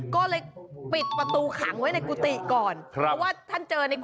คือจับได้แล้วแหละ